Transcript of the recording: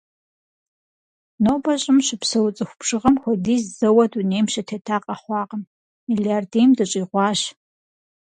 Нобэ Щӏым щыпсэу цӏыху бжыгъэм хуэдиз зэуэ дунейм щытета къэхъуакъым – мелардийм дыщӏигъуащ.